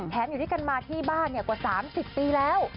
แถมอยู่ที่กันมาที่บ้านเนี่ยกว่า๓๐ปีแล้ว